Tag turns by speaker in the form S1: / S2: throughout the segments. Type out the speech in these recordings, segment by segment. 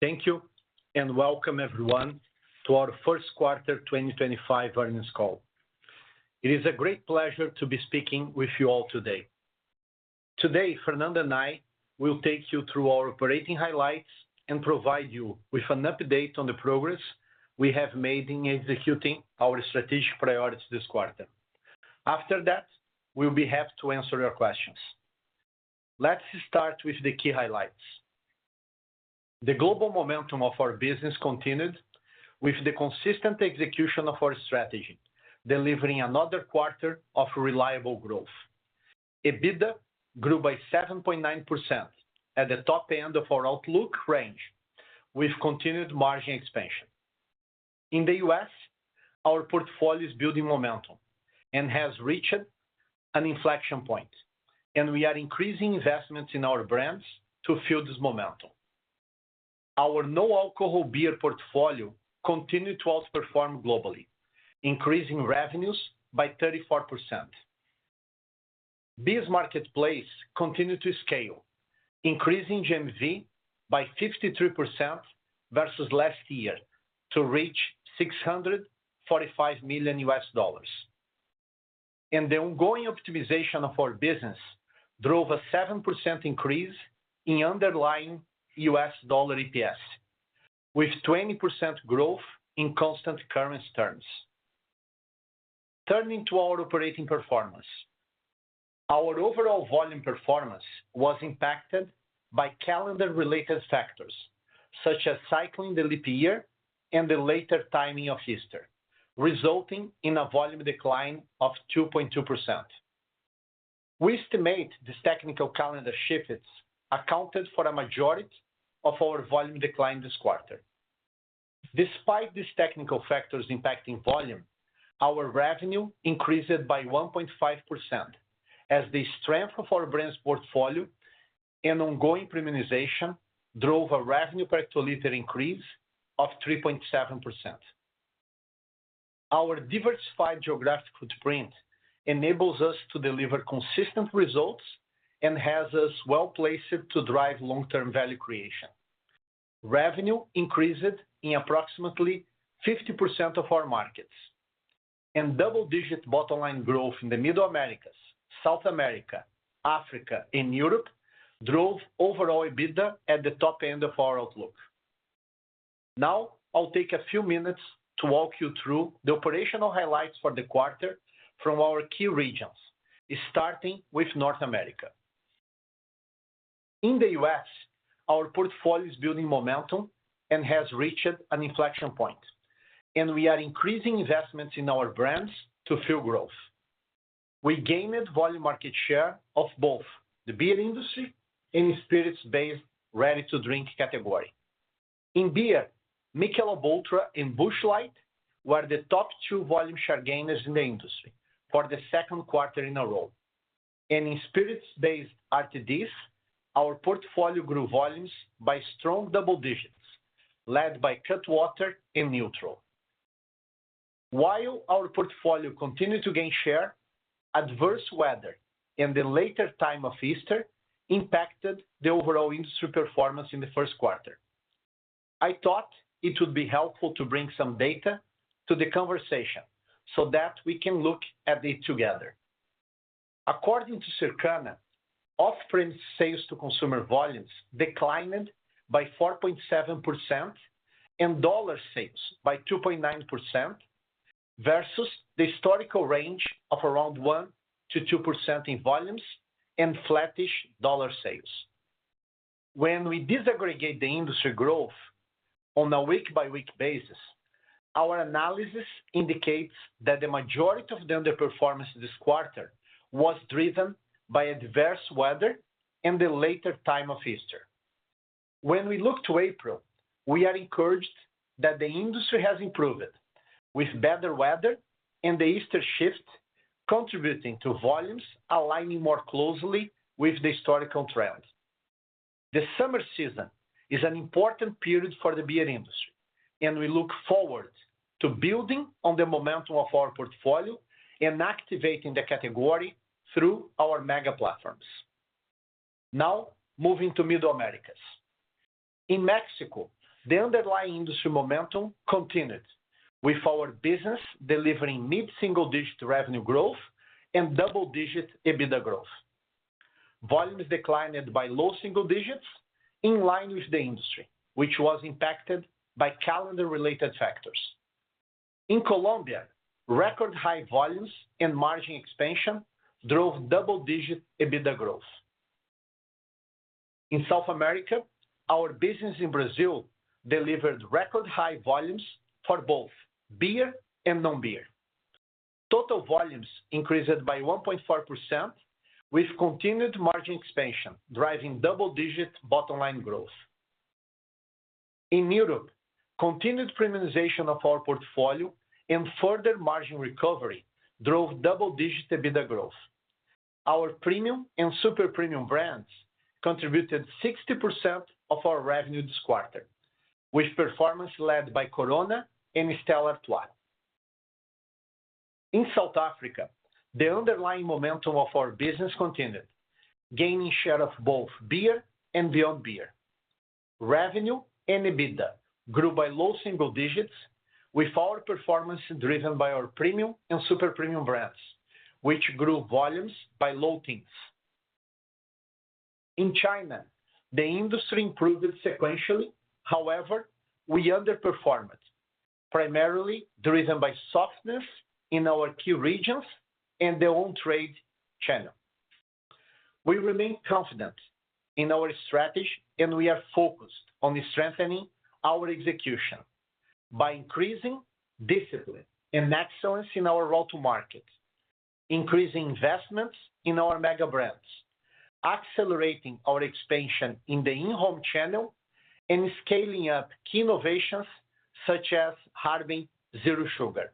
S1: Thank you, and welcome everyone to our First Quarter 2025 Earnings Call. It is a great pleasure to be speaking with you all today. Today, Fernando and I will take you through our operating highlights and provide you with an update on the progress we have made in executing our strategic priorities this quarter. After that, we'll be happy to answer your questions. Let's start with the key highlights. The global momentum of our business continued with the consistent execution of our strategy, delivering another quarter of reliable growth. EBITDA grew by 7.9% at the top end of our outlook range, with continued margin expansion. In the U.S., our portfolio is building momentum and has reached an inflection point, and we are increasing investments in our brands to fill this momentum. Our no alcohol beer portfolio continued to outperform globally, increasing revenues by 34%. Marketplace continued to scale, increasing GMV by 53% versus last year to reach $645 million, and the ongoing optimization of our business drove a 7% increase in underlying U.S. dollar EPS, with 20% growth in constant currency terms. Turning to our operating performance, our overall volume performance was impacted by calendar-related factors such as cycling the leap year and the later timing of Easter, resulting in a volume decline of 2.2%. We estimate this technical calendar shift accounted for a majority of our volume decline this quarter. Despite these technical factors impacting volume, our revenue increased by 1.5% as the strength of our brand's portfolio and ongoing premiumization drove a revenue per capita increase of 3.7%. Our diversified geographic footprint enables us to deliver consistent results and has us well-placed to drive long-term value creation. Revenue increased in approximately 50% of our markets, and double-digit bottom-line growth in the Middle Americas, South America, Africa, and Europe drove overall EBITDA at the top end of our outlook. Now, I'll take a few minutes to walk you through the operational highlights for the quarter from our key regions, starting with North America. In the U.S., our portfolio is building momentum and has reached an inflection point, and we are increasing investments in our brands to fuel growth. We gained volume market share in both the beer industry and spirits-based ready-to-drink category. In beer, Michelob ULTRA and Busch Light were the top two volume share gainers in the industry for the second quarter in a row. And in spirits-based RTDs, our portfolio grew volumes by strong double digits, led by Cutwater and NÜTRL. While our portfolio continued to gain share, adverse weather and the later time of Easter impacted the overall industry performance in the first quarter. I thought it would be helpful to bring some data to the conversation so that we can look at it together. According to Circana, off-premise sales to consumer volumes declined by 4.7% and dollar sales by 2.9% versus the historical range of around 1% to 2% in volumes and flattish dollar sales. When we disaggregate the industry growth on a week-by-week basis, our analysis indicates that the majority of the underperformance this quarter was driven by adverse weather and the later time of Easter. When we look to April, we are encouraged that the industry has improved, with better weather and the Easter shift contributing to volumes aligning more closely with the historical trend. The summer season is an important period for the beer industry, and we look forward to building on the momentum of our portfolio and activating the category through our mega platforms. Now, moving to Middle Americas. In Mexico, the underlying industry momentum continued, with our business delivering mid-single-digit revenue growth and double-digit EBITDA growth. Volumes declined by low single digits in line with the industry, which was impacted by calendar-related factors. In Colombia, record-high volumes and margin expansion drove double-digit EBITDA growth. In South America, our business in Brazil delivered record-high volumes for both beer and non-beer. Total volumes increased by 1.4%, with continued margin expansion driving double-digit bottom-line growth. In Europe, continued premiumization of our portfolio and further margin recovery drove double-digit EBITDA growth. Our premium and super premium brands contributed 60% of our revenue this quarter, with performance led by Corona and Stella Artois. In South Africa, the underlying momentum of our business continued, gaining share of both beer and Beyond Beer. Revenue and EBITDA grew by low single digits, with our performance driven by our premium and super premium brands, which grew volumes by low teens. In China, the industry improved sequentially. However, we underperformed, primarily driven by softness in our key regions and the on-trade channel. We remain confident in our strategy, and we are focused on strengthening our execution by increasing discipline and excellence in our route to market, increasing investments in our mega brands, accelerating our expansion in the in-home channel, and scaling up key innovations such as Harbin Zero Sugar.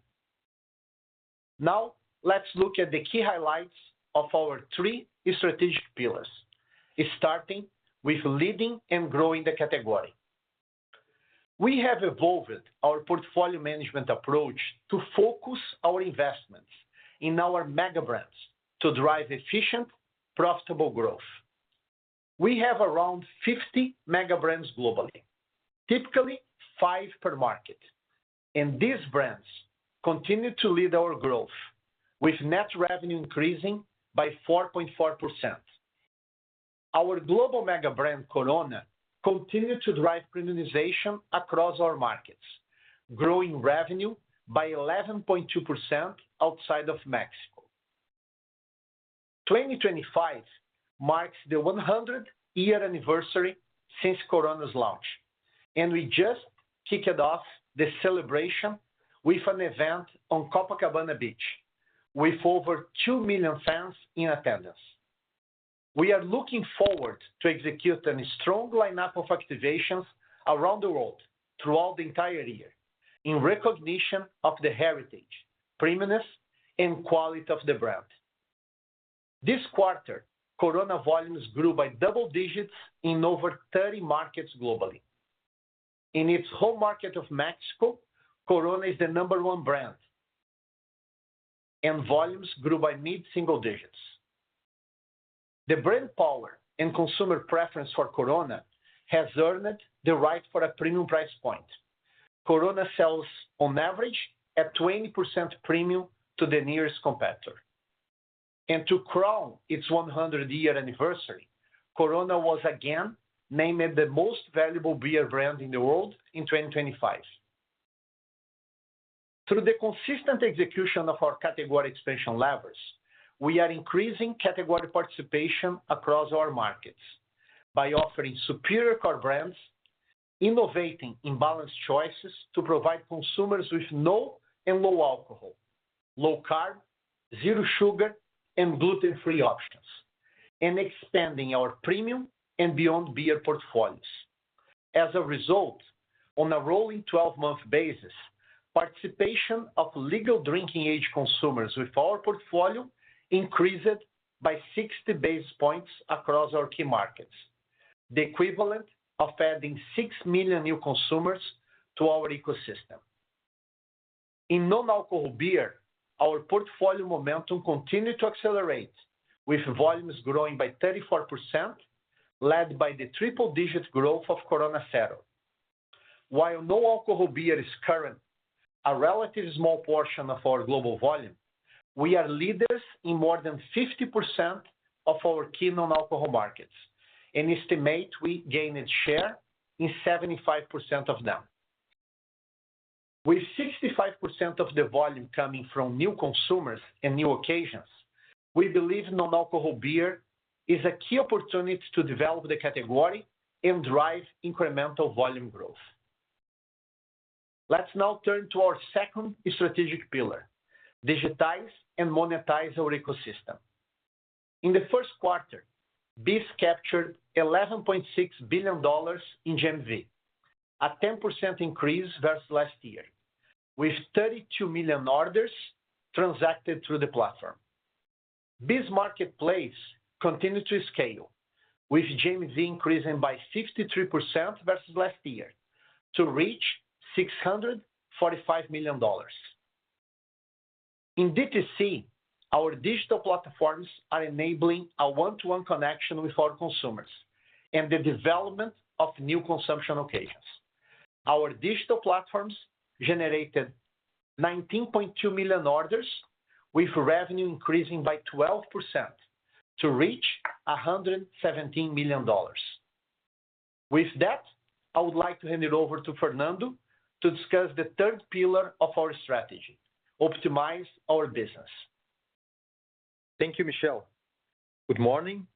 S1: Now, let's look at the key highlights of our three strategic pillars, starting with leading and growing the category. We have evolved our portfolio management approach to focus our investments in our mega brands to drive efficient, profitable growth. We have around 50 Mega Brands globally, typically five per market, and these brands continue to lead our growth, with net revenue increasing by 4.4%. Our global Mega Brand, Corona, continued to drive premiumization across our markets, growing revenue by 11.2% outside of Mexico. 2025 marks the 100th year anniversary since Corona's launch, and we just kicked off the celebration with an event on Copacabana Beach, with over two million fans in attendance. We are looking forward to executing a strong lineup of activations around the world throughout the entire year in recognition of the heritage, preeminence, and quality of the brand. This quarter, Corona volumes grew by double digits in over 30 markets globally. In its home market of Mexico, Corona is the number one brand, and volumes grew by mid-single digits. The brand power and consumer preference for Corona has earned the right for a premium price point. Corona sells, on average, at 20% premium to the nearest competitor. And to crown its 100th year anniversary, Corona was again named the most valuable beer brand in the world in 2025. Through the consistent execution of our category expansion levers, we are increasing category participation across our markets by offering superior core brands, innovating in balanced choices to provide consumers with no and low alcohol, low carb, zero sugar, and gluten-free options, and expanding our premium and Beyond Beer portfolios. As a result, on a rolling 12-month basis, participation of legal drinking-age consumers with our portfolio increased by 60 basis points across our key markets, the equivalent of adding six million new consumers to our ecosystem. In non-alcoholic beer, our portfolio momentum continued to accelerate, with volumes growing by 34%, led by the triple-digit growth of Corona Cero. While non-alcoholic beer is currently a relatively small portion of our global volume, we are leaders in more than 50% of our key non-alcoholic markets and estimate we gained share in 75% of them. With 65% of the volume coming from new consumers and new occasions, we believe non-alcoholic beer is a key opportunity to develop the category and drive incremental volume growth. Let's now turn to our second strategic pillar, digitize and monetize our ecosystem. In the first quarter, BEES captured $11.6 billion in GMV, a 10% increase versus last year, with 32 million orders transacted through the platform. BEES Marketplace continued to scale, with GMV increasing by 53% versus last year to reach $645 million. In DTC, our digital platforms are enabling a one-to-one connection with our consumers and the development of new consumption occasions. Our digital platforms generated 19.2 million orders, with revenue increasing by 12% to reach $117 million. With that, I would like to hand it over to Fernando to discuss the third pillar of our strategy, optimize our business.
S2: Thank you, Michel. Good morning.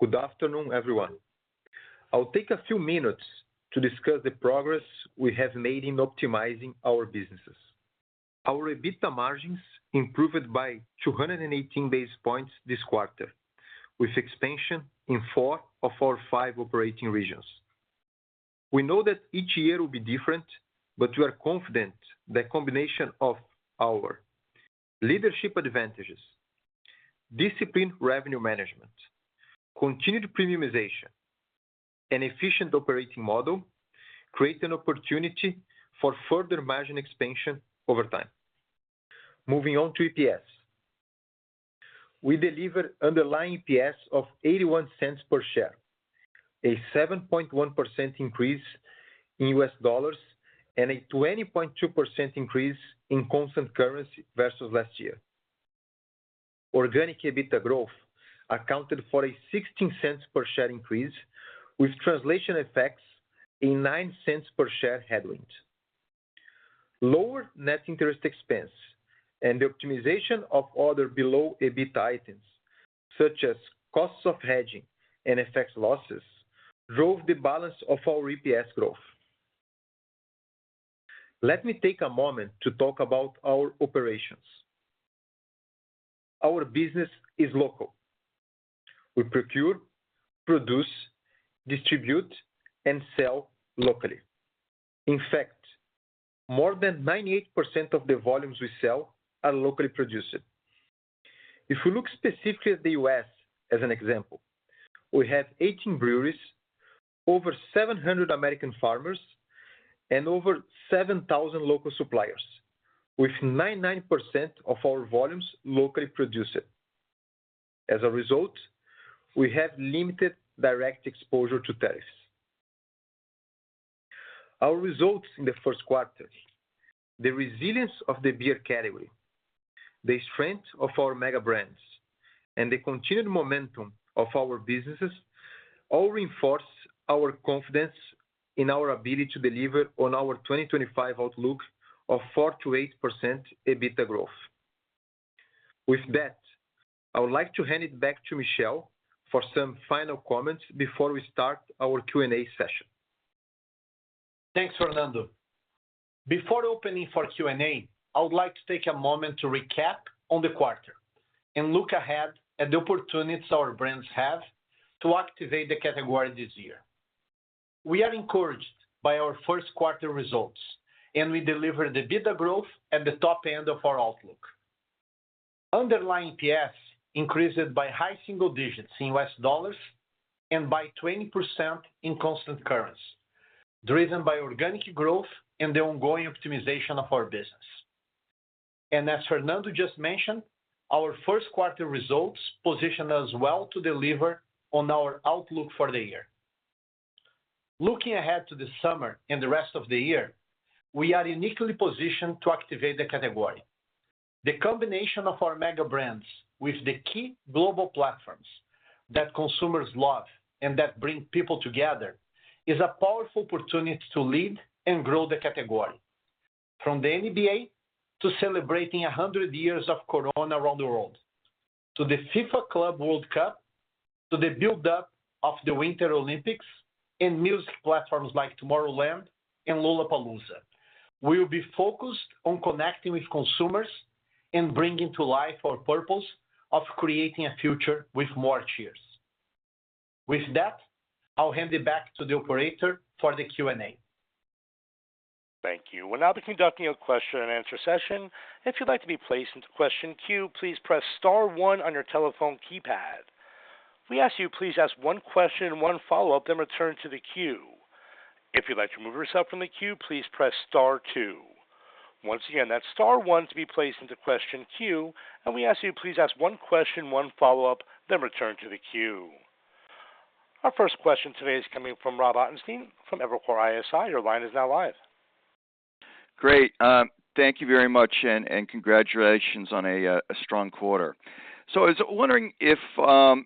S2: Good afternoon, everyone. I'll take a few minutes to discuss the progress we have made in optimizing our businesses. Our EBITDA margins improved by 218 basis points this quarter, with expansion in four of our five operating regions. We know that each year will be different, but we are confident that a combination of our leadership advantages, disciplined revenue management, continued premiumization, and efficient operating model creates an opportunity for further margin expansion over time. Moving on to EPS. We deliver underlying EPS of $0.81 per share, a 7.1% increase in U.S. dollars, and a 20.2% increase in constant currency versus last year. Organic EBITDA growth accounted for a $0.16 per share increase, with translation effects a $0.09 per share headwind. Lower net interest expense and the optimization of other below EBITDA items, such as costs of hedging and FX losses, drove the balance of our EPS growth. Let me take a moment to talk about our operations. Our business is local. We procure, produce, distribute, and sell locally. In fact, more than 98% of the volumes we sell are locally produced. If we look specifically at the U.S. as an example, we have 18 breweries, over 700 American farmers, and over 7,000 local suppliers, with 99% of our volumes locally produced. As a result, we have limited direct exposure to tariffs. Our results in the first quarter: the resilience of the beer category, the strength of our mega brands, and the continued momentum of our businesses all reinforce our confidence in our ability to deliver on our 2025 outlook of 4%-8% EBITDA growth. With that, I would like to hand it back to Michel for some final comments before we start our Q&A session.
S1: Thanks, Fernando. Before opening for Q&A, I would like to take a moment to recap on the quarter and look ahead at the opportunities our brands have to activate the category this year. We are encouraged by our first quarter results, and we deliver the EBITDA growth at the top end of our outlook. Underlying EPS increased by high single digits in U.S. dollars and by 20% in constant currency, driven by organic growth and the ongoing optimization of our business. As Fernando just mentioned, our first quarter results position us well to deliver on our outlook for the year. Looking ahead to the summer and the rest of the year, we are uniquely positioned to activate the category. The combination of our mega brands with the key global platforms that consumers love and that bring people together is a powerful opportunity to lead and grow the category. From the NBA to celebrating 100 years of Corona around the world, to the FIFA Club World Cup, to the build-up of the Winter Olympics and music platforms like Tomorrowland and Lollapalooza, we will be focused on connecting with consumers and bringing to life our purpose of creating a future with more cheers. With that, I'll hand it back to the operator for the Q&A.
S3: Thank you. We'll now be conducting a question-and-answer session. If you'd like to be placed into question queue, please press Star 1 on your telephone keypad. We ask you to please ask one question and one follow-up, then return to the queue. If you'd like to remove yourself from the queue, please press Star 2. Once again, that's Star 1 to be placed into question queue. And we ask you to please ask one question, one follow-up, then return to the queue. Our first question today is coming from Rob Ottenstein from Evercore ISI. Your line is now live.
S4: Great. Thank you very much, and congratulations on a strong quarter. So I was wondering if,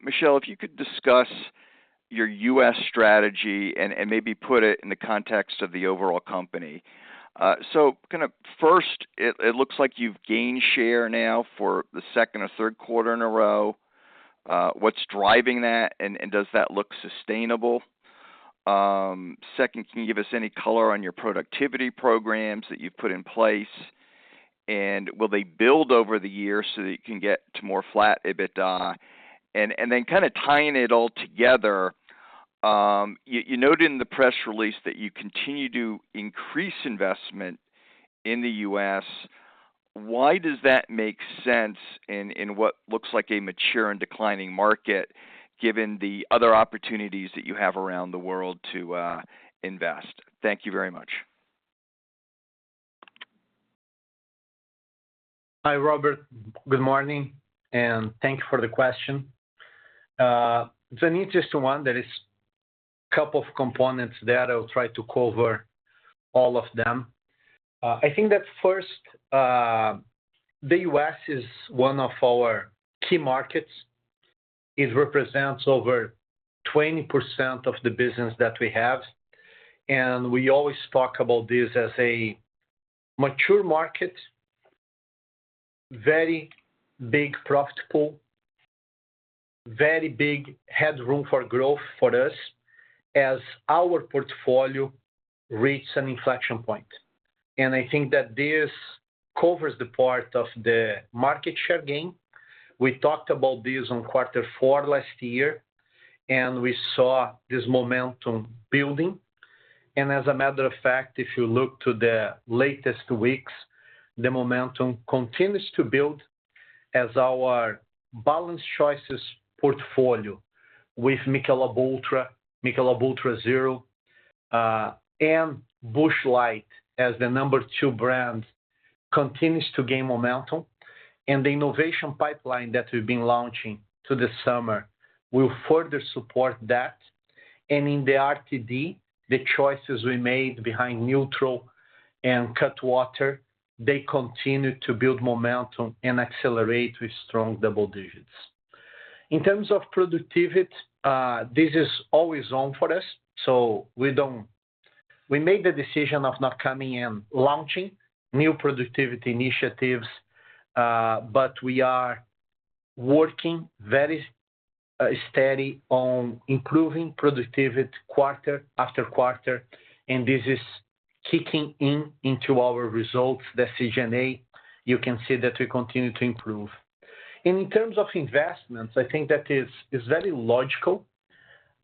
S4: Michel, if you could discuss your U.S. strategy and maybe put it in the context of the overall company. So kind of first, it looks like you've gained share now for the second or third quarter in a row. What's driving that, and does that look sustainable? Second, can you give us any color on your productivity programs that you've put in place? And will they build over the year so that you can get to more flat EBITDA? And then kind of tying it all together, you noted in the press release that you continue to increase investment in the U.S. Why does that make sense in what looks like a mature and declining market, given the other opportunities that you have around the world to invest? Thank you very much.
S1: Hi, Robert. Good morning, and thank you for the question. It's an interesting one that is a couple of components that I'll try to cover all of them. I think that first, the U.S. is one of our key markets. It represents over 20% of the business that we have. We always talk about this as a mature market, very big profitable, very big headroom for growth for us as our portfolio reaches an inflection point. I think that this covers the part of the market share gain. We talked about this on quarter four last year, and we saw this momentum building. As a matter of fact, if you look to the latest weeks, the momentum continues to build as our balanced choices portfolio with Michelob ULTRA, Michelob ULTRA Zero, and Busch Light as the number two brand continues to gain momentum. The innovation pipeline that we've been launching through the summer will further support that. In the RTD, the choices we made behind NÜTRL and Cutwater, they continue to build momentum and accelerate with strong double digits. In terms of productivity, this is always on for us. So we made the decision of not coming in launching new productivity initiatives, but we are working very steady on improving productivity quarter after quarter. And this is kicking into our results that SG&A. You can see that we continue to improve. And in terms of investments, I think that is very logical.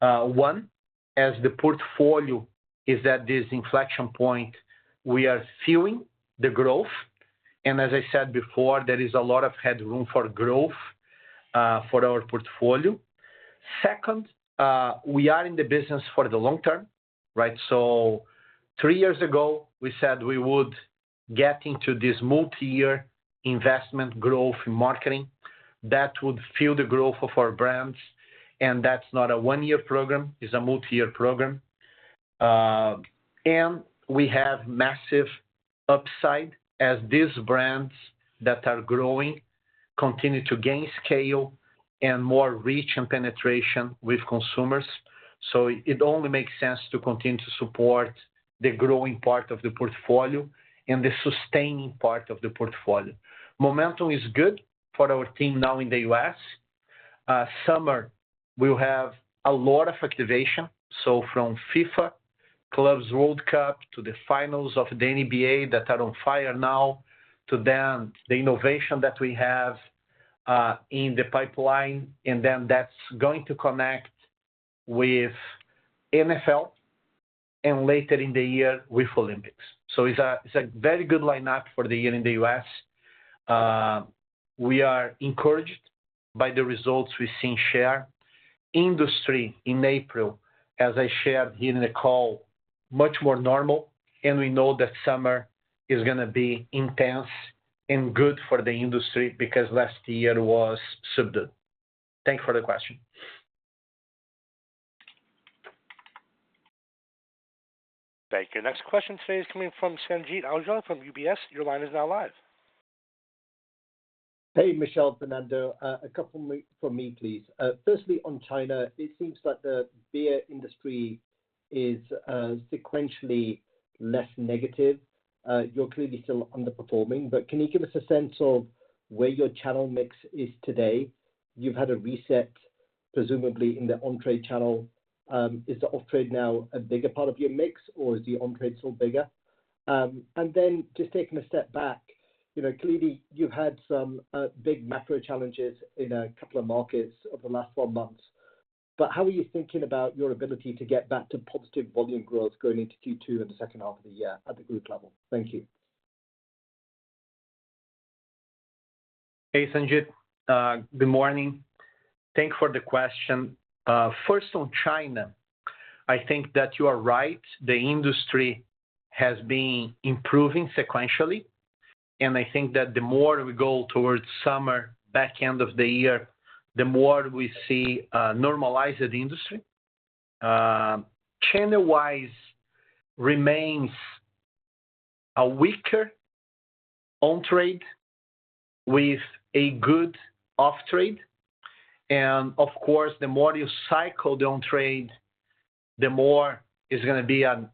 S1: One, as the portfolio is at this inflection point, we are fueling the growth. And as I said before, there is a lot of headroom for growth for our portfolio. Second, we are in the business for the long term, right? So three years ago, we said we would get into this multi-year investment growth in marketing that would fuel the growth of our brands. And that's not a one-year program. It's a multi-year program. And we have massive upside as these brands that are growing continue to gain scale and more reach and penetration with consumers. So it only makes sense to continue to support the growing part of the portfolio and the sustaining part of the portfolio. Momentum is good for our team now in the U.S. Summer, we'll have a lot of activation. So from FIFA Club World Cup to the finals of the NBA that are on fire now, to then the innovation that we have in the pipeline, and then that's going to connect with NFL and later in the year with Olympics. So it's a very good lineup for the year in the U.S. We are encouraged by the results we've seen so far. Industry in April, as I shared here in the call, much more normal. And we know that summer is going to be intense and good for the industry because last year was subdued. Thank you for the question.
S3: Thank you. Next question today is coming from Sanjeet Aujla from UBS. Your line is now live.
S5: Hey, Michel, Fernando. A couple for me, please. Firstly, on China, it seems like the beer industry is sequentially less negative. You're clearly still underperforming. But can you give us a sense of where your channel mix is today? You've had a reset, presumably in the on-trade channel. Is the off-trade now a bigger part of your mix, or is the on-trade still bigger? And then just taking a step back, clearly you've had some big macro challenges in a couple of markets over the last 12 months. But how are you thinking about your ability to get back to positive volume growth going into Q2 and the second half of the year at the group level? Thank you.
S1: Hey, Sanjeet. Good morning. Thank you for the question. First, on China, I think that you are right. The industry has been improving sequentially, and I think that the more we go towards summer, back end of the year, the more we see a normalized industry. China-wise remains a weaker on-trade with a good off-trade, and of course, the more you cycle the on-trade, the more it's going to be a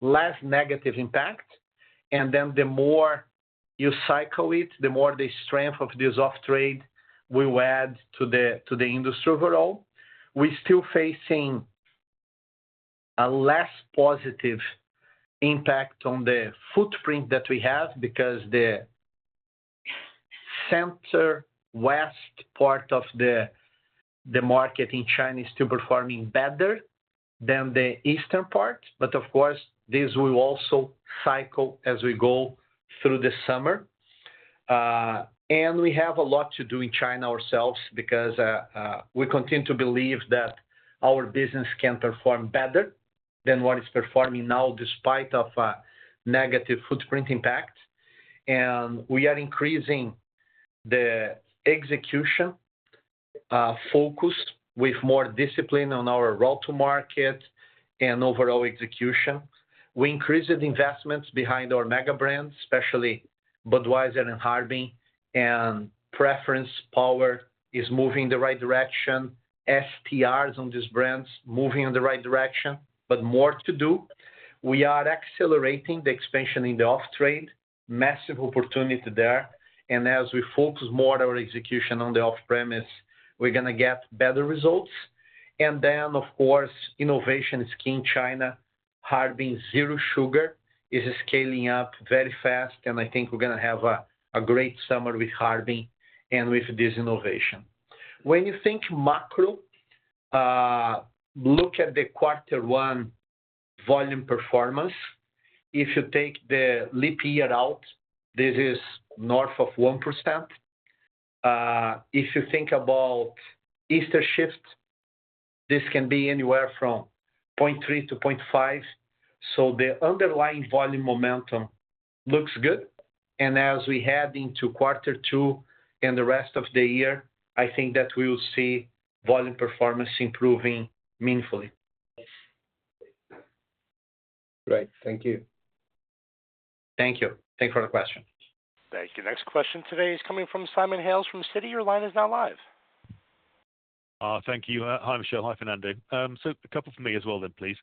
S1: less negative impact, and then the more you cycle it, the more the strength of this off-trade will add to the industry overall. We're still facing a less positive impact on the footprint that we have because the center west part of the market in China is still performing better than the eastern part, but of course, this will also cycle as we go through the summer. We have a lot to do in China ourselves because we continue to believe that our business can perform better than what it's performing now despite of a negative footprint impact. We are increasing the execution focus with more discipline on our route to market and overall execution. We increased the investments behind our Mega Brands, especially Budweiser and Harbin, and preference power is moving in the right direction. STRs on these brands are moving in the right direction, but more to do. We are accelerating the expansion in the off-trade. Massive opportunity there. As we focus more on our execution on the off-premise, we're going to get better results. Then, of course, innovation is key in China. Harbin Zero Sugar is scaling up very fast. I think we're going to have a great summer with Harbin and with this innovation. When you think macro, look at the quarter one volume performance. If you take the leap year out, this is north of 1%. If you think about Easter shift, this can be anywhere from 0.3%-0.5%. So the underlying volume momentum looks good. And as we head into quarter two and the rest of the year, I think that we will see volume performance improving meaningfully.
S5: Great. Thank you. Thank you. Thanks for the question.
S3: Thank you. Next question today is coming from Simon Hales from Citi. Your line is now live.
S6: Thank you. Hi, Michel. Hi, Fernando. So a couple for me as well then, please.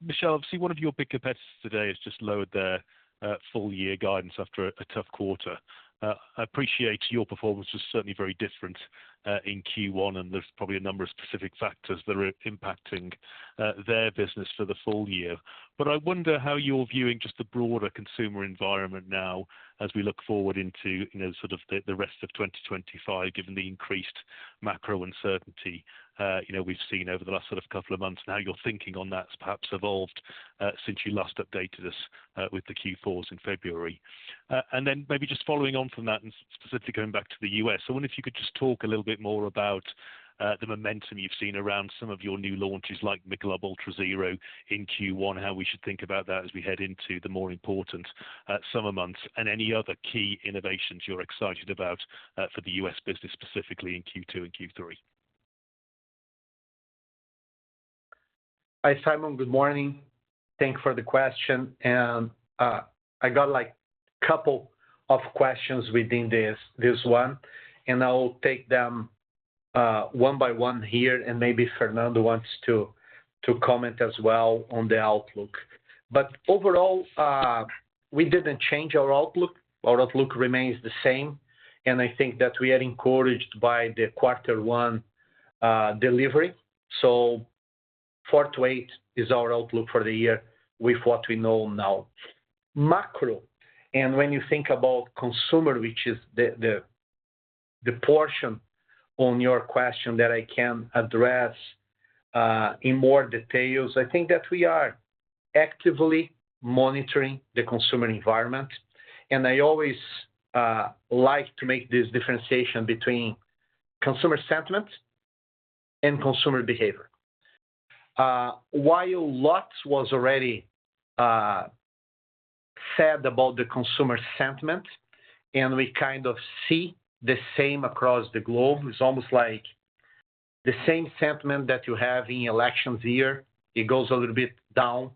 S6: Michel, obviously, one of your big competitors today has just lowered their full-year guidance after a tough quarter. I appreciate your performance was certainly very different in Q1, and there's probably a number of specific factors that are impacting their business for the full year. But I wonder how you're viewing just the broader consumer environment now as we look forward into sort of the rest of 2025, given the increased macro uncertainty we've seen over the last sort of couple of months. And how your thinking on that's perhaps evolved since you last updated us with the Q4s in February. And then maybe just following on from that and specifically going back to the U.S., I wonder if you could just talk a little bit more about the momentum you've seen around some of your new launches like Michelob ULTRA Zero in Q1, how we should think about that as we head into the more important summer months, and any other key innovations you're excited about for the U.S. business specifically in Q2 and Q3.
S1: Hi, Simon. Good morning. Thanks for the question. And I got a couple of questions within this one, and I'll take them one by one here. And maybe Fernando wants to comment as well on the outlook. But overall, we didn't change our outlook. Our outlook remains the same. And I think that we are encouraged by the quarter one delivery. Four to eight is our outlook for the year with what we know now. Macro. And when you think about consumer, which is the portion on your question that I can address in more detail, I think that we are actively monitoring the consumer environment. And I always like to make this differentiation between consumer sentiment and consumer behavior. While lots was already said about the consumer sentiment, and we kind of see the same across the globe, it's almost like the same sentiment that you have in election year, it goes a little bit down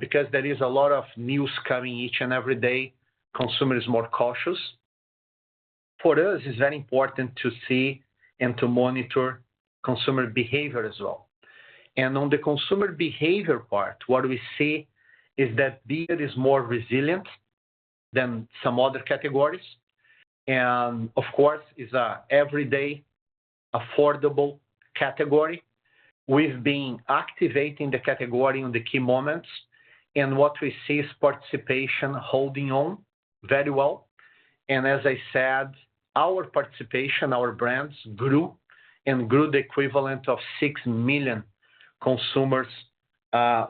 S1: because there is a lot of news coming each and every day. Consumers are more cautious. For us, it's very important to see and to monitor consumer behavior as well. And on the consumer behavior part, what we see is that beer is more resilient than some other categories. Of course, it's an everyday affordable category. We've been activating the category in the key moments. What we see is participation holding on very well. As I said, our participation, our brands grew and grew the equivalent of six million consumers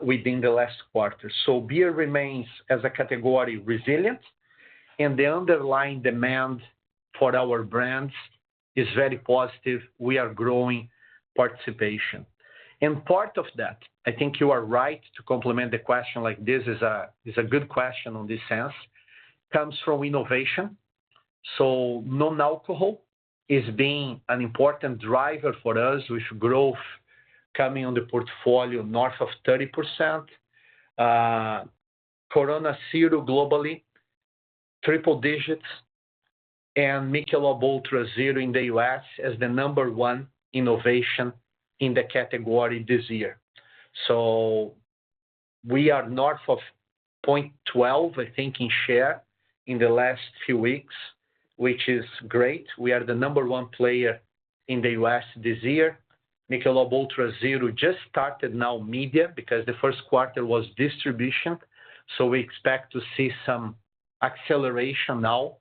S1: within the last quarter. Beer remains as a category resilient. The underlying demand for our brands is very positive. We are growing participation. Part of that, I think you are right to compliment the question like this is a good question in this sense, comes from innovation. Non-alcoholic is being an important driver for us with growth coming on the portfolio north of 30%. Corona Cero globally, triple digits, and Michelob ULTRA Zero in the U.S. as the number one innovation in the category this year. We are north of 0.12, I think, in share in the last few weeks, which is great. We are the number one player in the U.S. this year. Michelob ULTRA Zero just started now media because the first quarter was distribution. So we expect to see some acceleration now.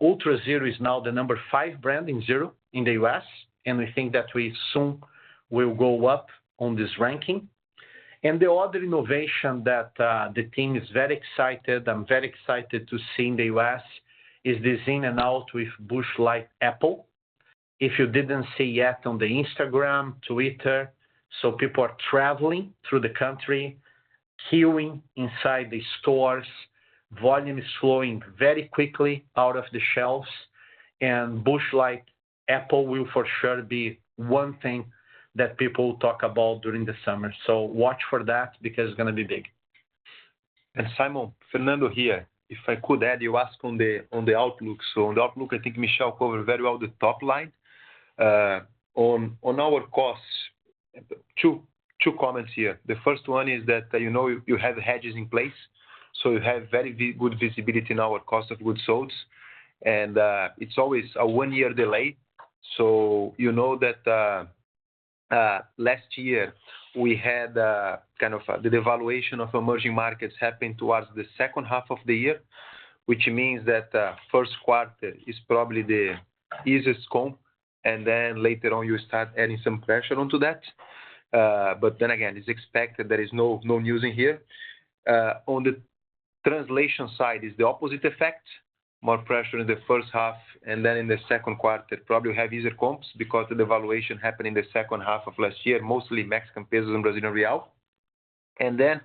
S1: ULTRA Zero is now the number five brand in Zero in the U.S. And we think that we soon will go up on this ranking. And the other innovation that the team is very excited, I'm very excited to see in the U.S. is this in and out with Busch Light Apple. If you didn't see yet on the Instagram, Twitter, so people are traveling through the country, queuing inside the stores. Volume is flowing very quickly out of the shelves. And Busch Light Apple will for sure be one thing that people talk about during the summer. So watch for that because it's going to be big.
S2: And Simon, Fernando here, if I could add, you asked on the outlook. So on the outlook, I think Michel covered very well the top line. On our costs, two comments here. The first one is that you have hedges in place. So you have very good visibility in our cost of goods sold. And it's always a one-year delay. So you know that last year we had kind of the devaluation of emerging markets happened towards the second half of the year, which means that first quarter is probably the easiest comp. And then later on, you start adding some pressure onto that. But then again, it's expected there is no news in here. On the translation side is the opposite effect, more pressure in the first half. And then in the second quarter, probably we have easier comps because the devaluation happened in the second half of last year, mostly Mexican pesos and Brazilian real. And then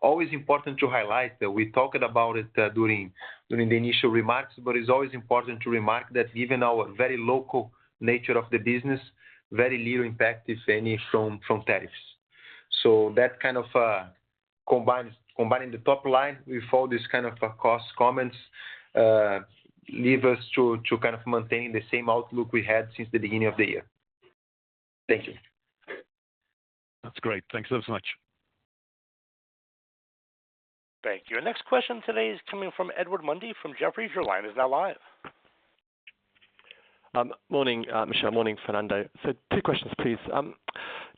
S2: always important to highlight that we talked about it during the initial remarks, but it's always important to remark that given our very local nature of the business, very little impact, if any, from tariffs. So that kind of combining the top line with all these kind of cost comments leaves us to kind of maintain the same outlook we had since the beginning of the year. Thank you.
S6: That's great. Thanks so much.
S3: Thank you. Next question today is coming from Edward Mundy from Jefferies. Your line is now live.
S7: Morning, Michel. Morning, Fernando. So two questions, please.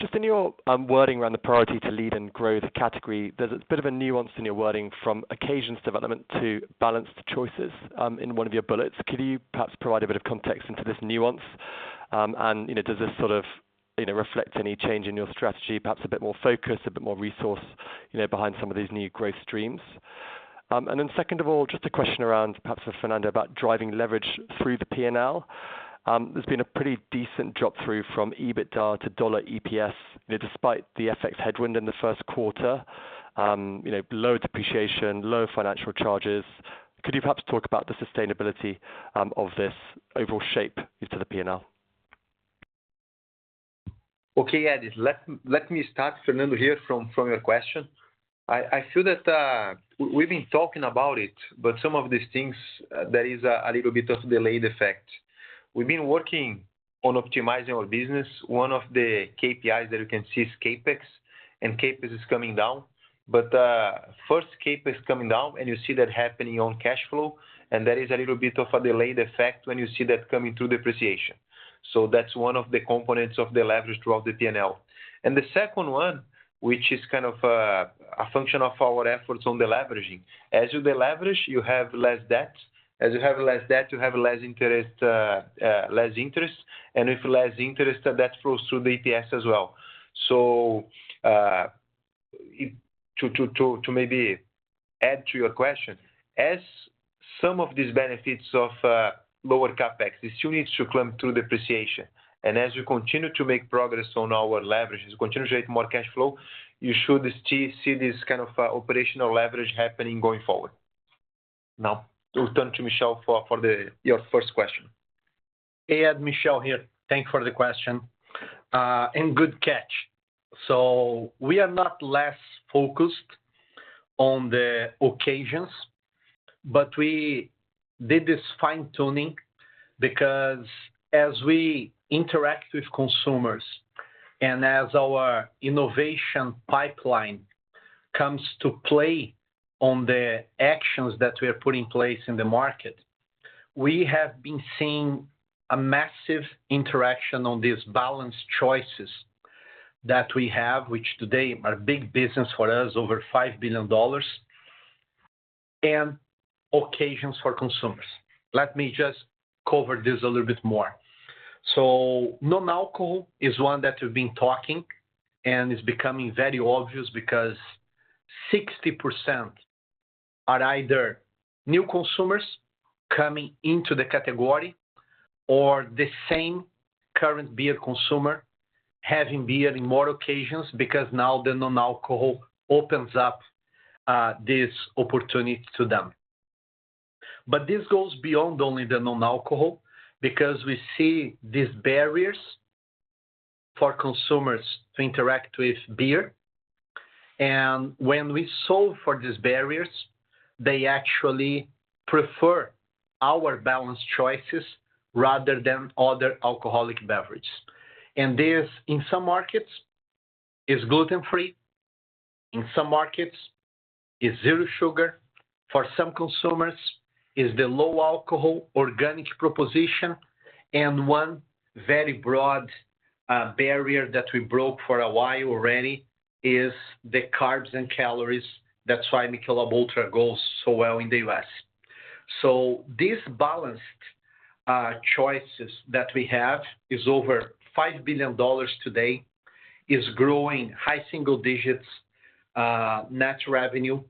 S7: Just in your wording around the priority to lead and grow the category, there's a bit of a nuance in your wording from occasions development to balanced choices in one of your bullets. Could you perhaps provide a bit of context into this nuance? And does this sort of reflect any change in your strategy, perhaps a bit more focus, a bit more resource behind some of these new growth streams? And then second of all, just a question around perhaps for Fernando about driving leverage through the P&L. There's been a pretty decent drop-through from EBITDA to dollar EPS despite the FX headwind in the first quarter, low depreciation, low financial charges. Could you perhaps talk about the sustainability of this overall shape to the P&L?
S2: Okay, Eddie, let me start, Fernando, here from your question. I feel that we've been talking about it, but some of these things; there is a little bit of delayed effect. We've been working on optimizing our business. One of the KPIs that you can see is CAPEX, and CAPEX is coming down, but first CAPEX is coming down, and you see that happening on cash flow, and there is a little bit of a delayed effect when you see that coming through depreciation, so that's one of the components of the leverage throughout the P&L, and the second one, which is kind of a function of our efforts on the leveraging. As you deleverage, you have less debt. As you have less debt, you have less interest, less interest, and with less interest, that flows through the EPS as well. So to maybe add to your question, as some of these benefits of lower CAPEX, it still needs to climb through depreciation. And as you continue to make progress on our leverage, as you continue to create more cash flow, you should see this kind of operational leverage happening going forward. Now, we'll turn to Michel for your first question.
S1: Hey, Ed, Michel here. Thanks for the question. And good catch. So we are not less focused on the occasions, but we did this fine-tuning because as we interact with consumers and as our innovation pipeline comes to play on the actions that we are putting in place in the market, we have been seeing a massive interaction on these balanced choices that we have, which today are big business for us, over $5 billion, and occasions for consumers. Let me just cover this a little bit more. So non-alcohol is one that we've been talking, and it's becoming very obvious because 60% are either new consumers coming into the category or the same current beer consumer having beer in more occasions because now the non-alcohol opens up this opportunity to them. But this goes beyond only the non-alcohol because we see these barriers for consumers to interact with beer. And when we solve for these barriers, they actually prefer our balanced choices rather than other alcoholic beverages. And this, in some markets, is gluten-free. In some markets, it's zero sugar. For some consumers, it's the low alcohol organic proposition. And one very broad barrier that we broke for a while already is the carbs and calories. That's why Michelob ULTRA goes so well in the U.S. So these balanced choices that we have is over $5 billion today, is growing high single digits%. Net revenue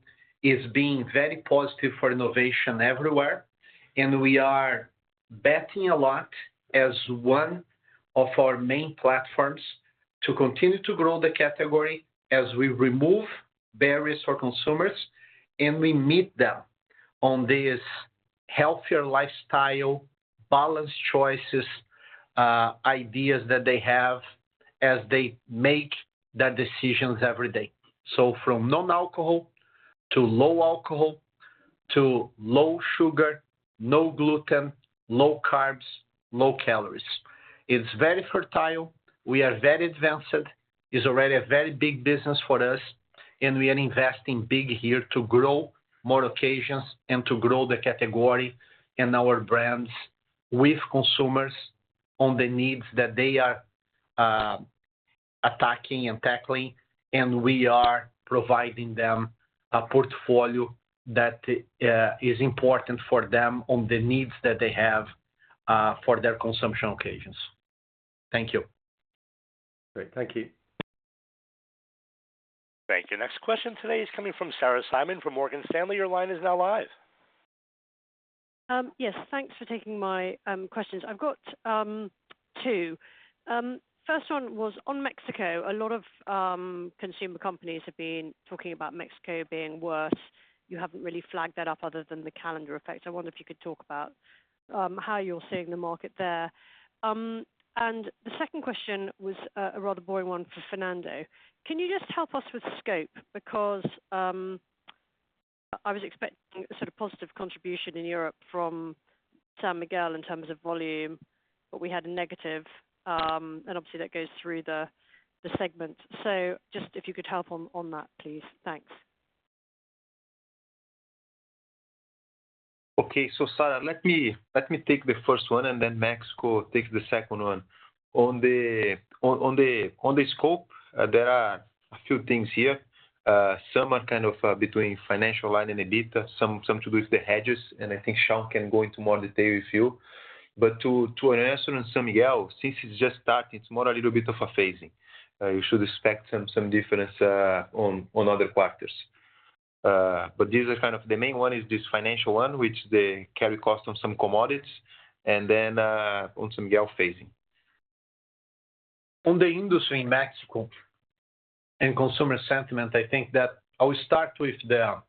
S1: is being very positive for innovation everywhere, and we are betting a lot as one of our main platforms to continue to grow the category as we remove barriers for consumers and we meet them on these healthier lifestyle, balanced choices, ideas that they have as they make their decisions every day, so from non-alcohol to low alcohol to low sugar, no gluten, low carbs, low calories. It's very fertile. We are very advanced. It's already a very big business for us, and we are investing big here to grow more occasions and to grow the category and our brands with consumers on the needs that they are attacking and tackling, and we are providing them a portfolio that is important for them on the needs that they have for their consumption occasions. Thank you.
S7: Great. Thank you.
S3: Thank you. Next question today is coming from Sarah Simon from Morgan Stanley. Your line is now live. Yes.
S8: Thanks for taking my questions. I've got two. First one was on Mexico. A lot of consumer companies have been talking about Mexico being worse. You haven't really flagged that up other than the calendar effect. I wonder if you could talk about how you're seeing the market there. And the second question was a rather boring one for Fernando. Can you just help us with scope? Because I was expecting sort of positive contribution in Europe from San Miguel in terms of volume, but we had a negative. And obviously, that goes through the segment. So just if you could help on that, please. Thanks.
S1: Okay. So Sarah, let me take the first one and then Fernando take the second one. On the scope, there are a few things here. Some are kind of between financial line and EBITDA. Some to do with the hedges. And I think Shaun can go into more detail with you. But to answer on San Miguel, since it's just starting, it's more a little bit of a phasing. You should expect some difference on other quarters. But these are kind of the main one is this financial one, which is the carry cost on some commodities. And then on San Miguel, phasing.
S2: On the industry in Mexico and consumer sentiment, I think that I will start with the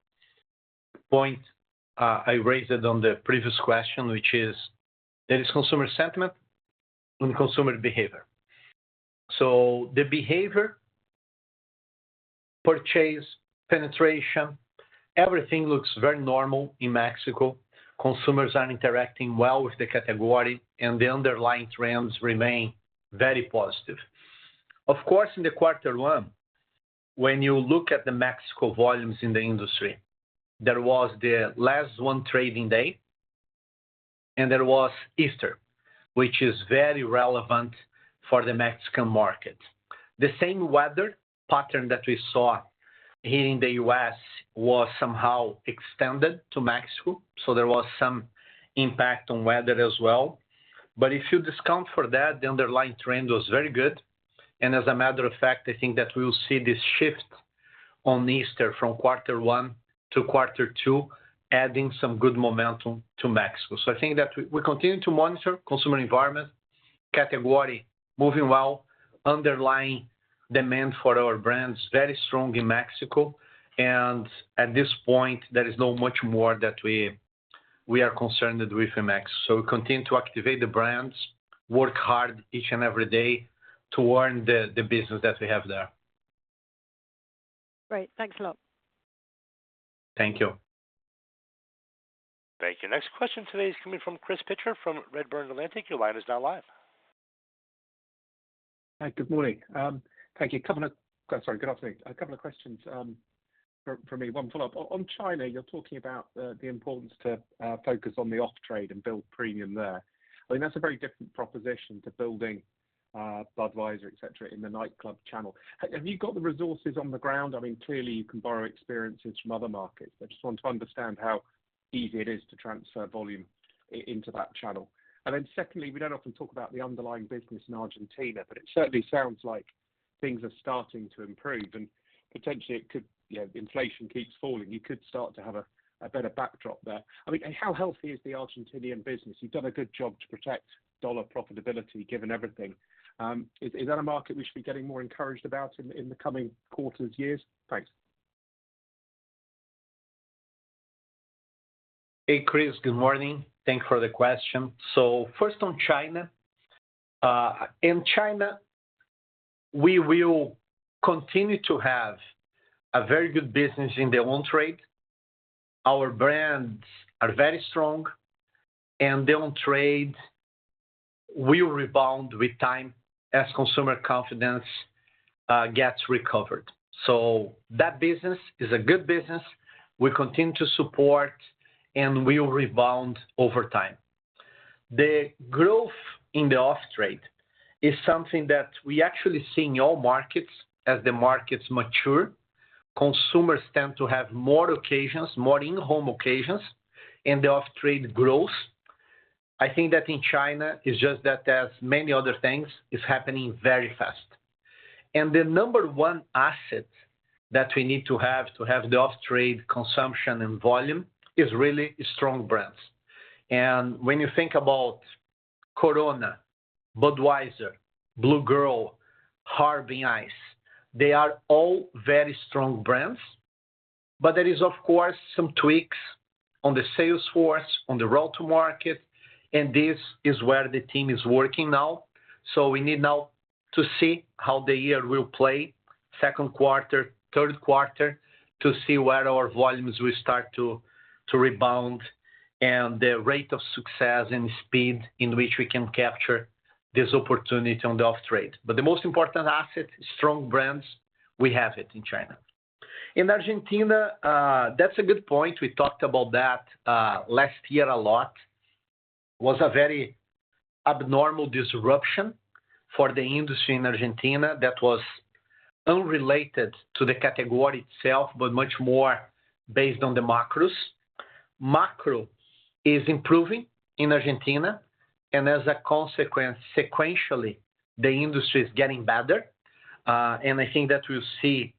S2: point I raised on the previous question, which is there is consumer sentiment and consumer behavior. So the behavior, purchase, penetration, everything looks very normal in Mexico. Consumers are interacting well with the category, and the underlying trends remain very positive. Of course, in the quarter one, when you look at the Mexico volumes in the industry, there was the last trading day, and there was Easter, which is very relevant for the Mexican market. The same weather pattern that we saw here in the U.S. was somehow extended to Mexico, so there was some impact on weather as well, but if you discount for that, the underlying trend was very good, and as a matter of fact, I think that we will see this shift on Easter from quarter one to quarter two, adding some good momentum to Mexico, so I think that we continue to monitor consumer environment, category moving well, underlying demand for our brands very strong in Mexico, and at this point, there is not much more that we are concerned with in Mexico. So we continue to activate the brands, work hard each and every day to earn the business that we have there.
S8: Great. Thanks a lot.
S1: Thank you.
S3: Thank you. Next question today is coming from Chris Pitcher from Redburn Atlantic. Your line is now live.
S9: Good morning. Thank you. Sorry, good afternoon. A couple of questions for me. One follow-up. On China, you're talking about the importance to focus on the off-trade and build premium there. I mean, that's a very different proposition to building Budweiser, etc., in the nightclub channel. Have you got the resources on the ground? I mean, clearly, you can borrow experiences from other markets. I just want to understand how easy it is to transfer volume into that channel. And then secondly, we don't often talk about the underlying business in Argentina, but it certainly sounds like things are starting to improve. Potentially, if inflation keeps falling, you could start to have a better backdrop there. I mean, how healthy is the Argentine business? You've done a good job to protect dollar profitability given everything. Is that a market we should be getting more encouraged about in the coming quarters, years? Thanks.
S1: Hey, Chris. Good morning. Thanks for the question. First on China. In China, we will continue to have a very good business in the on-trade. Our brands are very strong. The on-trade will rebound with time as consumer confidence gets recovered. That business is a good business. We continue to support, and we will rebound over time. The growth in the off-trade is something that we actually see in all markets. As the markets mature, consumers tend to have more occasions, more in-home occasions, and the off-trade grows. I think that in China, it's just that, as many other things, it's happening very fast, and the number one asset that we need to have to have the off-trade consumption and volume is really strong brands. And when you think about Corona, Budweiser, Blue Girl, Harbin Ice, they are all very strong brands, but there is, of course, some tweaks on the sales force, on the road to market, and this is where the team is working now, so we need now to see how the year will play, second quarter, third quarter, to see where our volumes will start to rebound and the rate of success and speed in which we can capture this opportunity on the off-trade, but the most important asset is strong brands. We have it in China. In Argentina, that's a good point. We talked about that last year a lot. It was a very abnormal disruption for the industry in Argentina that was unrelated to the category itself, but much more based on the macros. Macro is improving in Argentina, and as a consequence, sequentially, the industry is getting better. And I think that we'll see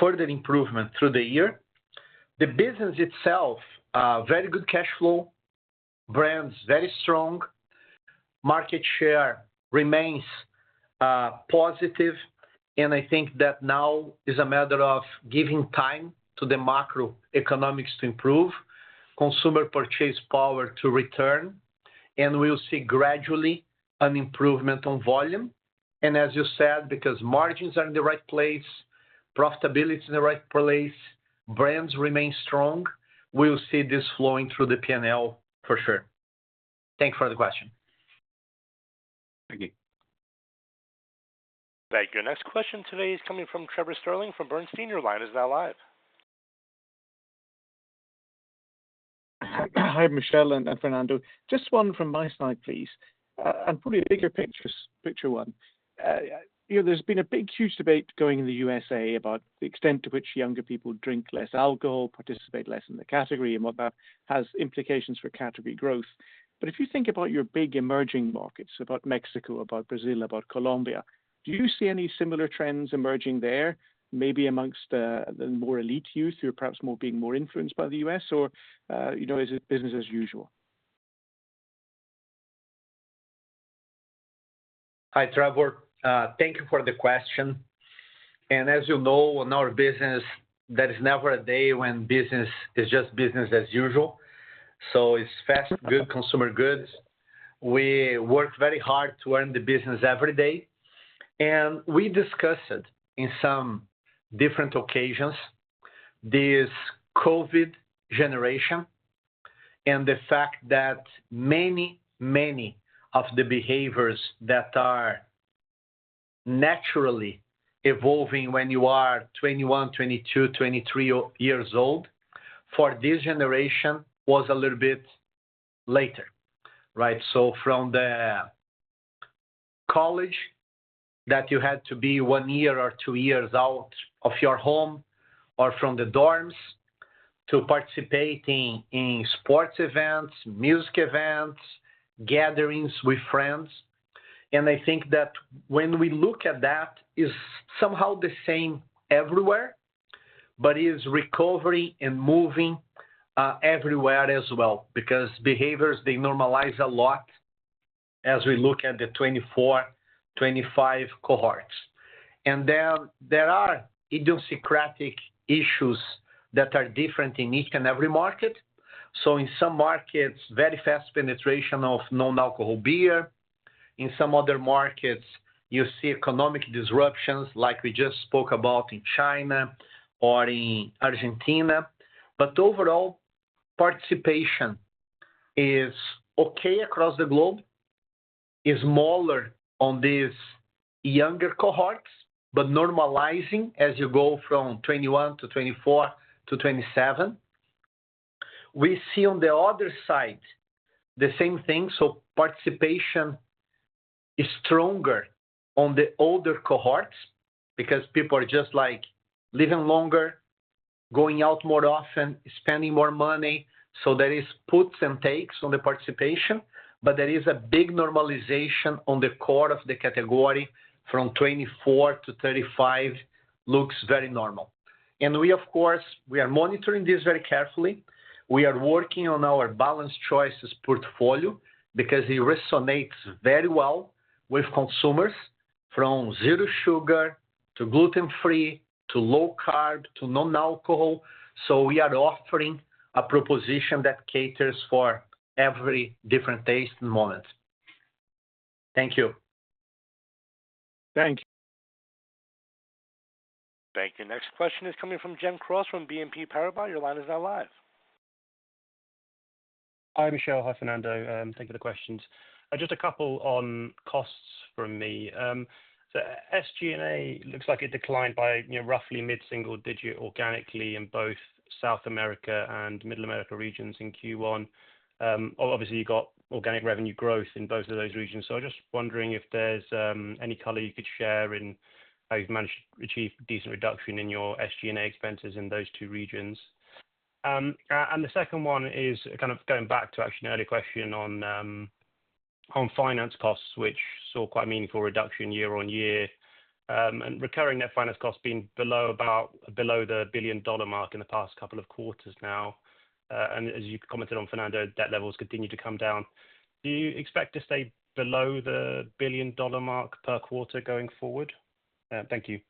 S1: further improvement through the year. The business itself, very good cash flow, brands very strong, market share remains positive, and I think that now is a matter of giving time to the macroeconomics to improve, consumer purchase power to return. And we'll see gradually an improvement on volume, and as you said, because margins are in the right place, profitability is in the right place, brands remain strong, we'll see this flowing through the P&L for sure. Thank you for the question.
S9: Thank you.
S3: Thank you. Next question today is coming from Trevor Stirling from Bernstein. Is now live.
S10: Hi, Michel and Fernando. Just one from my side, please, and probably a bigger picture one. There's been a big huge debate going in the U.S.A. about the extent to which younger people drink less alcohol, participate less in the category, and what that has implications for category growth. But if you think about your big emerging markets, about Mexico, about Brazil, about Colombia, do you see any similar trends emerging there, maybe amongst the more elite youth who are perhaps being more influenced by the U.S., or is it business as usual?
S1: Hi, Trevor. Thank you for the question, and as you know, in our business, there is never a day when business is just business as usual. So it's fast, good consumer goods. We work very hard to earn the business every day. We discussed in some different occasions this COVID generation and the fact that many, many of the behaviors that are naturally evolving when you are 21, 22, 23 years old for this generation was a little bit later, right? From the college that you had to be one year or two years out of your home or from the dorms to participating in sports events, music events, gatherings with friends. I think that when we look at that, it's somehow the same everywhere, but it is recovering and moving everywhere as well because behaviors, they normalize a lot as we look at the 24, 25 cohorts. Then there are idiosyncratic issues that are different in each and every market. In some markets, very fast penetration of non-alcoholic beer. In some other markets, you see economic disruptions like we just spoke about in China or in Argentina. but overall, participation is okay across the globe, is smaller on these younger cohorts, but normalizing as you go from 21 to 24 to 27. We see on the other side the same thing. so participation is stronger on the older cohorts because people are just living longer, going out more often, spending more money. so there are puts and takes on the participation. but there is a big normalization on the core of the category from 24 to 35 looks very normal. and we, of course, we are monitoring this very carefully. We are working on our balanced choices portfolio because it resonates very well with consumers from zero sugar to gluten-free to low carb to non-alcohol. so we are offering a proposition that caters for every different taste and moment. Thank you.
S10: Thank you.
S3: Thank you. Next question is coming from Jim Cross from BNP Paribas. Your line is now live.
S11: Hi, Michel and hi, Fernando. Thank you for the questions. Just a couple on costs from me. So SG&A looks like it declined by roughly mid-single digit organically in both South America and Middle America regions in Q1. Obviously, you've got organic revenue growth in both of those regions. So I'm just wondering if there's any color you could share in how you've managed to achieve decent reduction in your SG&A expenses in those two regions. And the second one is kind of going back to actually an earlier question on finance costs, which saw quite a meaningful reduction year on year. And recurring net finance costs being below the $1 billion mark in the past couple of quarters now. As you commented on Fernando, debt levels continue to come down. Do you expect to stay below the $1 billion mark per quarter going forward? Thank you.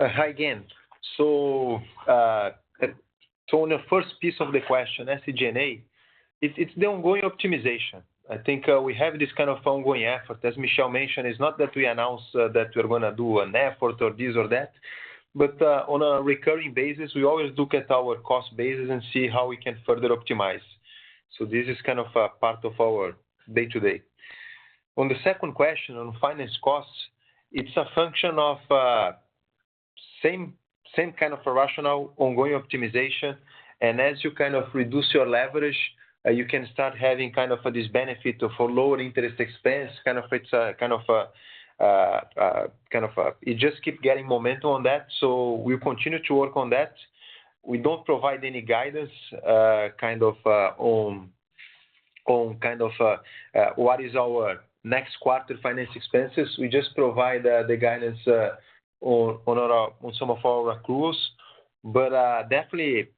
S2: Hi again. On the first piece of the question, SG&A, it's the ongoing optimization. I think we have this kind of ongoing effort. As Michel mentioned, it's not that we announce that we're going to do an effort or this or that. On a recurring basis, we always look at our cost basis and see how we can further optimize. This is kind of a part of our day-to-day. On the second question on finance costs, it's a function of same kind of a rational ongoing optimization. As you kind of reduce your leverage, you can start having kind of this benefit of a lower interest expense. It just keeps getting momentum on that. So we continue to work on that. We don't provide any guidance kind of on what is our next quarter finance expenses. We just provide the guidance on some of our accruals. But definitely,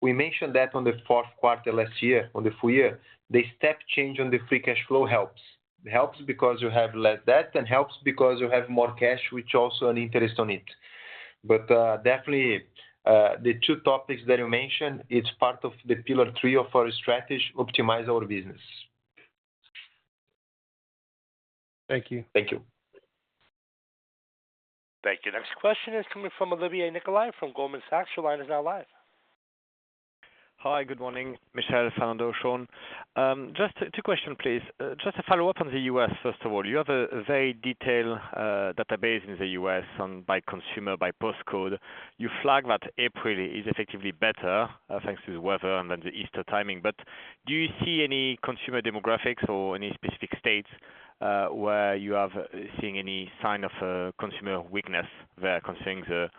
S2: we mentioned that on the fourth quarter last year, on the full year, the step change on the free cash flow helps. It helps because you have less debt and helps because you have more cash, which also earns interest on it. But definitely, the two topics that you mentioned, it's part of the pillar three of our strategy, optimize our business.
S11: Thank you. Next question is coming from Olivier Nicolay from Goldman Sachs. Your line is now live.
S12: Hi, good morning, Michel and Fernando. Just two questions, please. Just to follow up on the U.S., first of all, you have a very detailed database in the U.S. by consumer, by zip code. You flagged that April is effectively better thanks to the weather and then the Easter timing. But do you see any consumer demographics or any specific states where you have seen any sign of consumer weakness there concerning the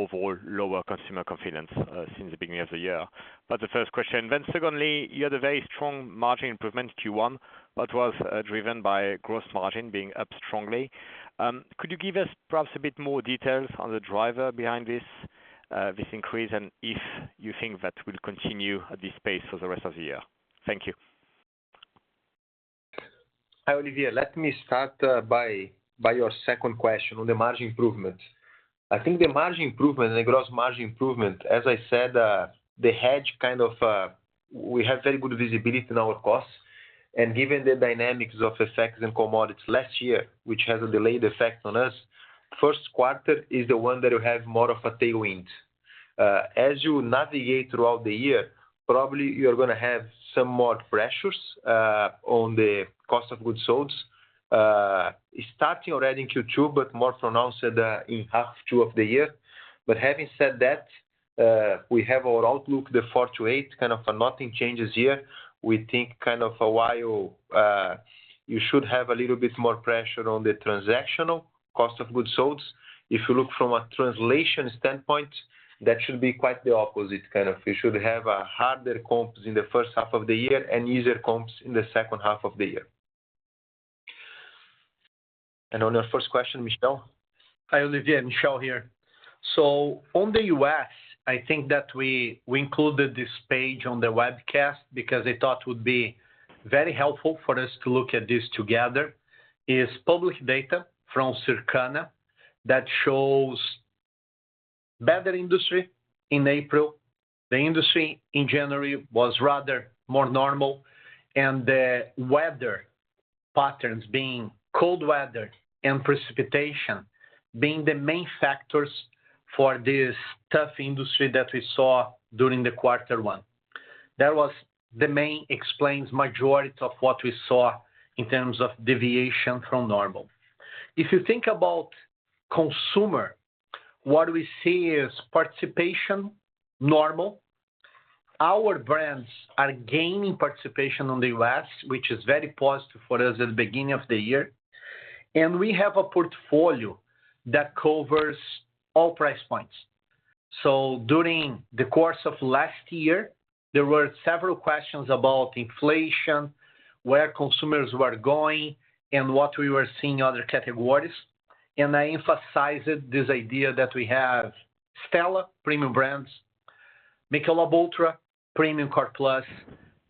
S12: overall lower consumer confidence since the beginning of the year? That's the first question. Then secondly, you had a very strong margin improvement Q1, but was driven by gross margin being up strongly. Could you give us perhaps a bit more details on the driver behind this increase and if you think that will continue at this pace for the rest of the year? Thank you.
S2: Hi, Olivier. Let me start by your second question on the margin improvement. I think the margin improvement and the gross margin improvement, as I said, the hedges kind of we have very good visibility in our costs. Given the dynamics of FX and commodities last year, which has a delayed effect on us, first quarter is the one that you have more of a tailwind. As you navigate throughout the year, probably you're going to have some more pressures on the cost of goods sold, starting already in Q2, but more pronounced in second half of the year. But having said that, we have our outlook, the four-to-eight kind of nothing changes here. We think kind of overall you should have a little bit more pressure on the total cost of goods sold. If you look from a translation standpoint, that should be quite the opposite kind of. You should have harder comps in the first half of the year and easier comps in the second half of the year. On your first question, Michel?
S1: Hi, Olivier. Michel here. So on the U.S., I think that we included this page on the webcast because I thought it would be very helpful for us to look at this together. It's public data from Circana that shows better industry in April. The industry in January was rather more normal. The weather patterns being cold weather and precipitation being the main factors for this tough industry that we saw during quarter one. That mainly explains the majority of what we saw in terms of deviation from normal. If you think about consumer, what we see is participation normal. Our brands are gaining participation in the U.S., which is very positive for us at the beginning of the year. And we have a portfolio that covers all price points. So during the course of last year, there were several questions about inflation, where consumers were going, and what we were seeing in other categories. And I emphasized this idea that we have Stella, premium brands, Michelob ULTRA, premium core plus,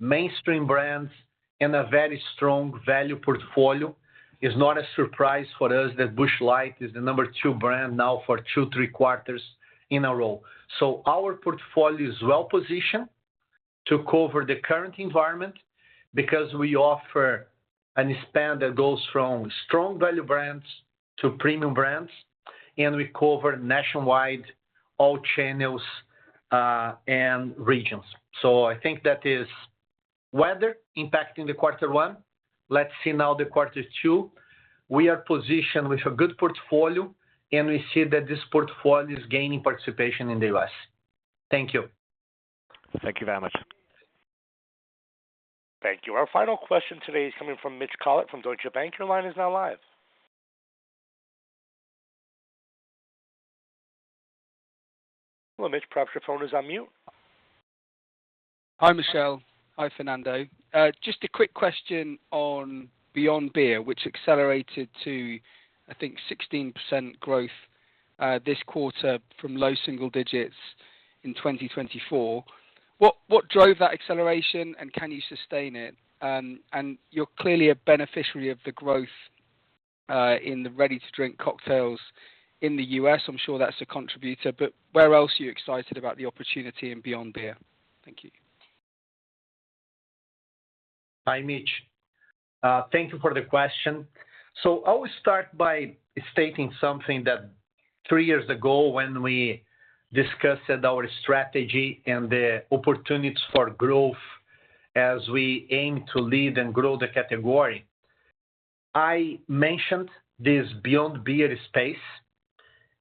S1: mainstream brands, and a very strong value portfolio. It's not a surprise for us that Busch Light is the number two brand now for two, three quarters in a row. So our portfolio is well-positioned to cover the current environment because we offer an expanse that goes from strong value brands to premium brands. And we cover nationwide all channels and regions. So I think that the weather is impacting quarter one. Let's see now quarter two. We are positioned with a good portfolio, and we see that this portfolio is gaining participation in the U.S. Thank you.
S12: Thank you very much.
S3: Thank you. Our final question today is coming from Mitch Collett from Deutsche Bank. Your line is now live. Hello, Mitch. Perhaps your phone is on mute. Hi, Michel. Hi, Fernando. Just a quick question on Beyond Beer, which accelerated to, I think, 16% growth this quarter from low single digits in 2024. What drove that acceleration, and can you sustain it? And you're clearly a beneficiary of the growth in the ready-to-drink cocktails in the U.S. I'm sure that's a contributor. But where else are you excited about the opportunity in Beyond Beer? Thank you.
S2: Hi, Mitch. Thank you for the question. So I will start by stating something that three years ago when we discussed our strategy and the opportunities for growth as we aim to lead and grow the category, I mentioned this Beyond Beer space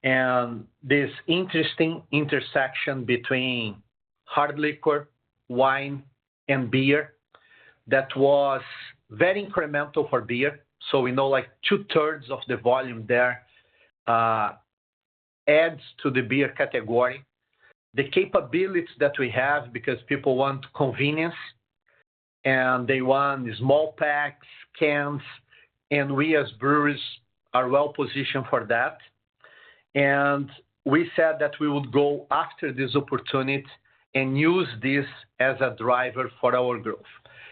S2: and this interesting intersection between hard liquor, wine, and beer that was very incremental for beer. So we know like two-thirds of the volume there adds to the beer category. The capabilities that we have because people want convenience, and they want small packs, cans, and we as breweries are well-positioned for that. And we said that we would go after this opportunity and use this as a driver for our growth.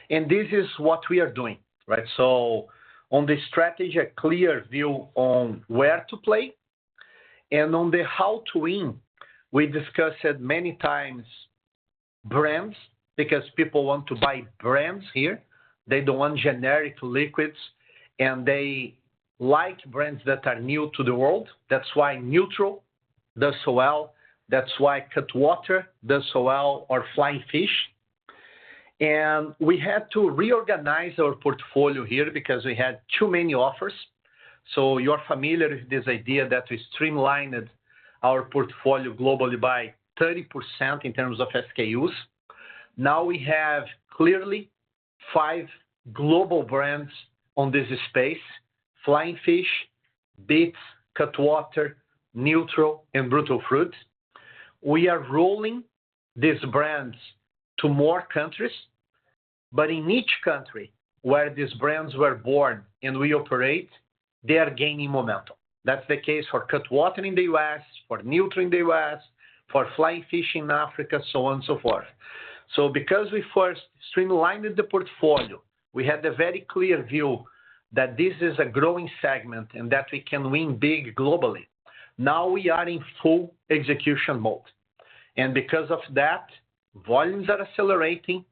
S2: And this is what we are doing, right? So on the strategy, a clear view on where to play. And on the how to win, we discussed many times brands because people want to buy brands here. They don't want generic liquids, and they like brands that are new to the world. That's why NÜTRL does so well. That's why Cutwater does so well or Flying Fish. And we had to reorganize our portfolio here because we had too many offers. So you're familiar with this idea that we streamlined our portfolio globally by 30% in terms of SKUs. Now we have clearly five global brands on this space: Flying Fish, Beats, Cutwater, NÜTRL, and Brutal Fruit. We are rolling these brands to more countries. But in each country where these brands were born and we operate, they are gaining momentum. That's the case for Cutwater in the U.S., for NÜTRL in the U.S., for Flying Fish in Africa, so on and so forth. So because we first streamlined the portfolio, we had a very clear view that this is a growing segment and that we can win big globally. Now we are in full execution mode. And because of that, volumes are accelerating.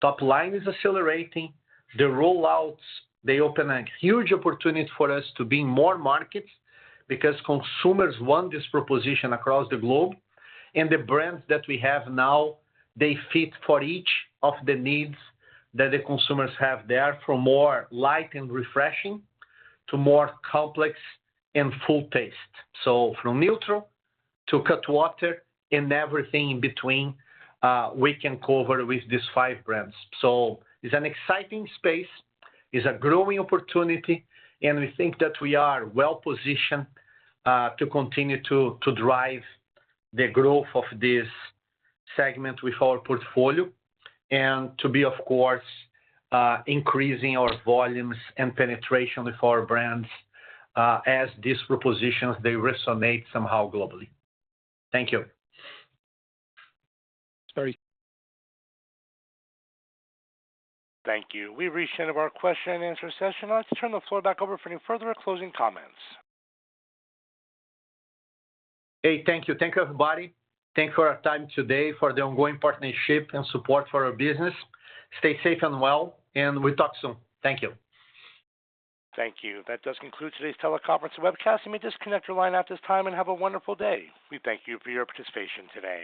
S2: Top line is accelerating. The rollouts, they open a huge opportunity for us to be in more markets because consumers want this proposition across the globe. And the brands that we have now, they fit for each of the needs that the consumers have there from more light and refreshing to more complex and full taste. So from NÜTRL to Cutwater and everything in between, we can cover with these five brands. So it's an exciting space. It's a growing opportunity. And we think that we are well-positioned to continue to drive the growth of this segment with our portfolio and to be, of course, increasing our volumes and penetration with our brands as these propositions, they resonate somehow globally. Thank you.
S13: Sorry.
S3: Thank you. We've reached the end of our question and answer session. I'd like to turn the floor back over for any further closing comments.
S1: Hey, thank you. Thank you, everybody. Thank you for our time today, for the ongoing partnership and support for our business. Stay safe and well, and we'll talk soon. Thank you.
S3: Thank you. That does conclude today's teleconference and webcast. You may disconnect your line at this time and have a wonderful day. We thank you for your participation today.